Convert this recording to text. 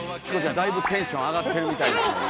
だいぶテンション上がってるみたいですね。